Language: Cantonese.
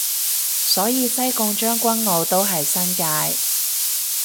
所以西貢將軍澳都係新界